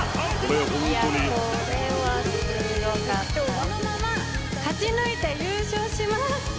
このまま勝ちぬいて優勝します。